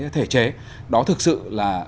thể chế đó thực sự là